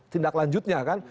tindak lanjutnya kan